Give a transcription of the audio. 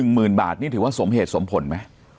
หมื่นบาทนี่ถือว่าสมเหตุสมผลไหม